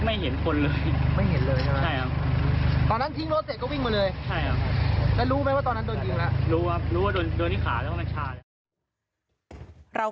กับคุณเนติชา